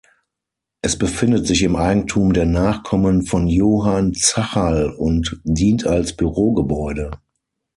Es befindet sich im Eigentum der Nachkommen von Johann Zacherl und dient als Bürogebäude.